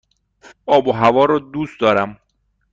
آب و هوا را دوست دارم.